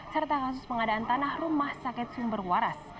serta kasus pengadaan tanah rumah sakit sumber waras